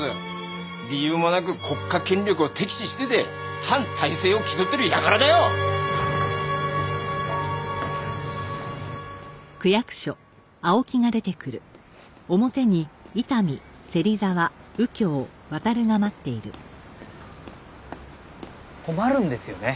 理由もなく国家権力を敵視してて反体制を気取ってる輩だよ。困るんですよね。